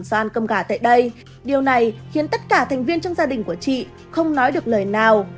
gian ăn cơm gà tại đây điều này khiến tất cả thành viên trong gia đình của chị không nói được lời nào